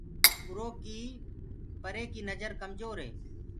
اُرو ڪي پري ڪي نجر ڪمجور هي۔